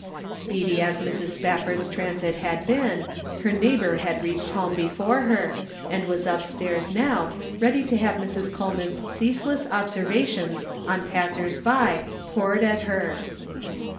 Speedy as Mrs. Spafford's transit had been, her neighbor had reached home before her, and was np stairs now, ready to have Mrs. Coleman's ceaseless observations on passers by poured at her.